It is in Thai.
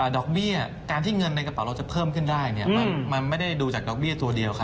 ดอกเบี้ยการที่เงินในกระเป๋าเราจะเพิ่มขึ้นได้มันไม่ได้ดูจากดอกเบี้ยตัวเดียว